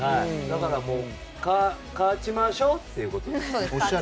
だから勝ちましょうっていうことですね。